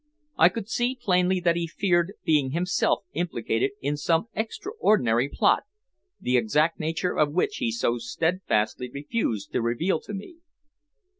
I could see plainly that he feared being himself implicated in some extraordinary plot, the exact nature of which he so steadfastly refused to reveal to me.